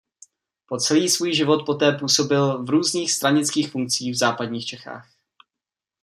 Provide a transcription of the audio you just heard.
Po celý svůj život poté působil v různých stranických funkcích v západních Čechách.